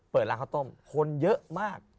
เปิดร้านข้าวต้มคนเยอะมาก